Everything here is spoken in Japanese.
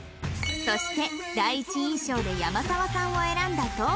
そして第一印象で山澤さんを選んだ東坂さん